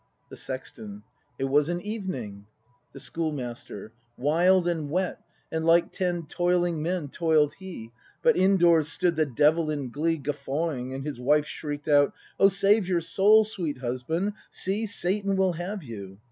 The Sexton. It was an evening The Schoolmaster. Wild and wet. And like ten toiling men toiled he; But indoors stood the Devil in glee Guffawing, and his wife shriek'd out: "O save your soul, sweet husband! See, Satan will have you!"